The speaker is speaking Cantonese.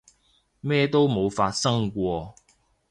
咩都冇發生過